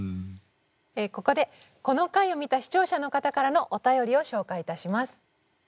ここでこの回を見た視聴者の方からのお便りを紹介いたします。